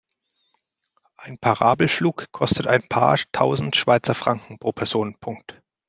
Ein Parabelflug kostet ein paar tausend Schweizer Franken pro Person.